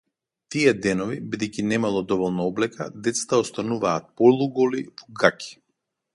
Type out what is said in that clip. Тие денови, бидејќи немало доволно облека, децата остануваат полуголи, во гаќи.